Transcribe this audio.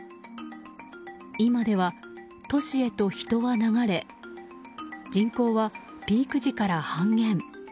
今では都市へと人は流れ人口はピーク時から半減。